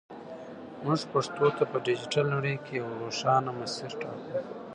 موږ پښتو ته په ډیجیټل نړۍ کې یو روښانه مسیر ټاکو.